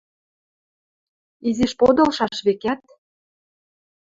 Изиш подылшаш, векӓт?